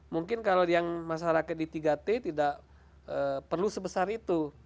mungkin kalau yang masyarakat di tiga t tidak perlu sebesar itu